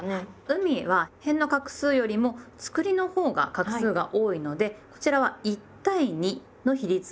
海はへんの画数よりもつくりのほうが画数が多いのでこちらは１対２の比率がベストです。